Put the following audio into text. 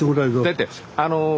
だってあの他の。